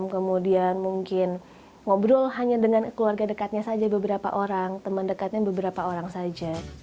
kemudian mungkin ngobrol hanya dengan keluarga dekatnya saja beberapa orang teman dekatnya beberapa orang saja